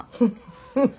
フフフッ。